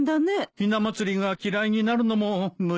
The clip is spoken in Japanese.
ひな祭りが嫌いになるのも無理ないですね。